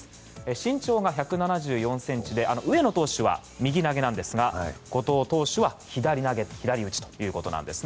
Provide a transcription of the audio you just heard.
身長が１７４ｃｍで上野投手は右投げなんですが後藤投手は左投げ左打ちということなんです。